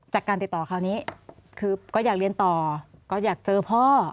จากการติดต่อคราวนี้คือก็อยากเรียนต่อก็อยากเจอพ่อ